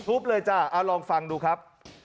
ทุบเลยจ้ะลองฟังดูครับ